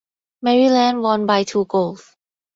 Maryland won by two goals.